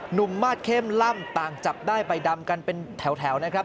มาสเข้มล่ำต่างจับได้ใบดำกันเป็นแถวนะครับ